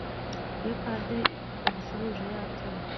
iyo padiri agusuhuje yatuye